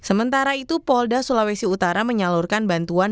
sementara itu polda sulawesi utara menyalurkan bantuan